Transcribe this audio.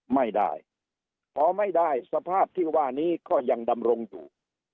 ไม่ได้พอไม่ได้สภาพที่ว่านี้ก็ยังดำรงอยู่